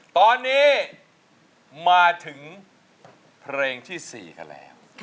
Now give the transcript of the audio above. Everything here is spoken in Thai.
ตอนนี้มาถึงเพลงที่๔กันแล้ว